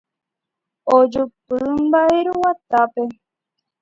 Ojupi mba'yruguatápe.